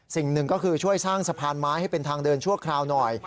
สิ่งหนึ่งก็คือช่วยสร้างสะพานไม้ให้เป็นทางเดินชั่วคราวหน่อย